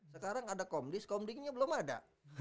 sekarang ada komdis komdingnya belum ada